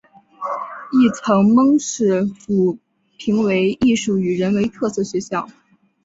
亦曾蒙市府评为艺术与人文特色学校。